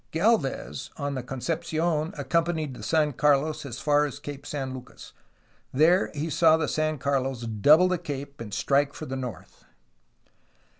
Galvez on the Concepcion accompanied the San Carlos as far as Cape San Lucas. There he saw the San Carlos double the cape and strike for the north.